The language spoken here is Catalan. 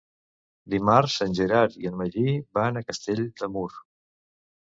Dimarts en Gerard i en Magí van a Castell de Mur.